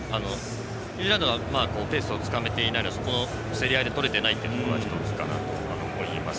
ニュージーランドはペースをつかめていないのは競り合いでとれていないところが１つかなと思います。